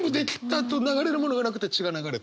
あと流れるものがなくて血が流れた。